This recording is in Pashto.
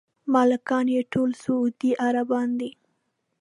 مالکان یې ټول سعودي عربان دي.